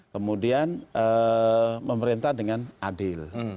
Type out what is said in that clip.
kemudian memerintah dengan adil